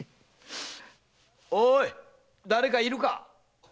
おい誰かいるか？